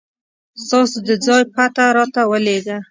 ستاسو د ځای پته راته ولېږه